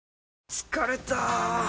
疲れた！